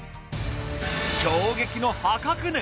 衝撃の破格値。